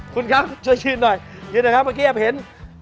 คุณครับช่วยชื่นหน่อยยืนหน่อยครับเมื่อกี้แอบเห็น